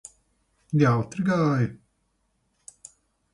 Jautri gāja?